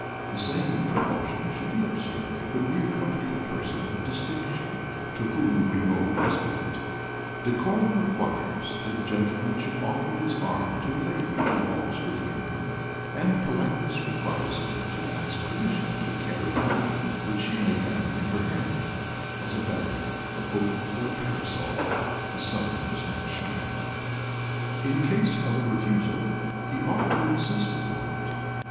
The same precaution should be observed when we accompany a person of distinction to whom we owe respect. Decorum requires that a gentleman should offer his arm to a lady who walks with him; and politeness requires him to ask permission to carry anything which she may have in her hand, as a bag, a book, or a parasol (if the sun does not shine;) in case of a refusal, he ought to insist upon it.